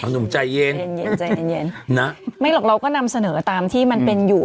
อุ๊ยหนุ่มใจเย็นใจเย็นนะไม่หรอกเราก็นำเสนอตามที่มันเป็นอยู่